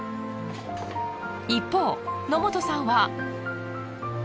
一方野本さんは。